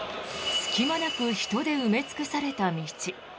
隙間なく人で埋め尽くされた道。